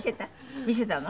見せたの？